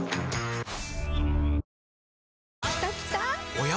おや？